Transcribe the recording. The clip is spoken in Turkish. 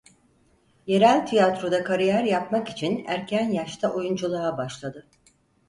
Yerel tiyatroda kariyer yapmak için erken yaşta oyunculuğa başladı.